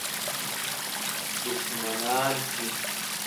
دښمنان شي.